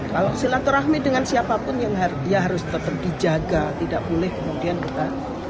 kalau silaturahmi dengan siapapun yang dia harus tetap dijaga tidak boleh kemudian kita